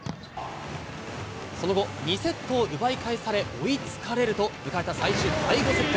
その後、２セットを奪い返され、追いつかれると、迎えた最終第５セット。